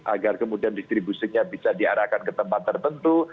agar kemudian distribusinya bisa diarahkan ke tempat tertentu